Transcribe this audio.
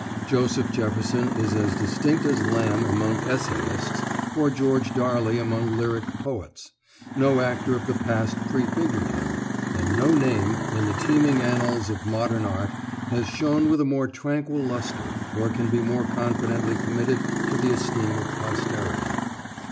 Joseph Jefferson is as distinct as Lamb among essayists, or George Darley among lyrical poets. No actor of the past prefigured him, ... and no name, in the teeming annals of modern art, has shone with a more tranquil lustre, or can be more confidently committed to the esteem of posterity."